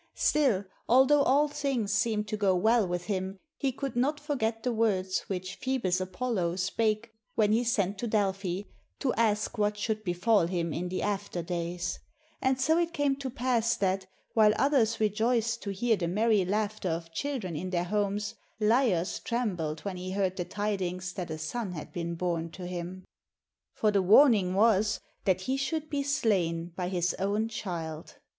Still, although all things seemed to go well with him, he could not forget the words which Phoebus Apollo spake when he sent to Del phi to ask what should befall him in the after days; and so it came to pass that, while others rejoiced to hear the merry laughter of children in their homes, Laios trembled when he heard the tidings that a son had been bom to him. For the warning was that he should be slain by his own child.